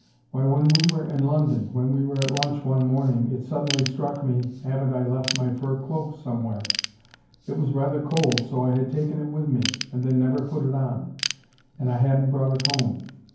Why when we were in London when we were at lunch one morning it suddenly struck me, haven't I left my fur cloak somewhere? It was rather cold, so I had taken it with me, and then never put it on. And I hadn't brought it home.